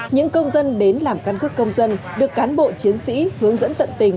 những công dân đến làm căn cước công dân được cán bộ chiến sĩ hướng dẫn tận tình